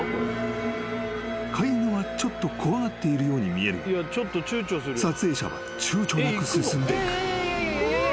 ［飼い犬はちょっと怖がっているように見えるが撮影者はちゅうちょなく進んでいく］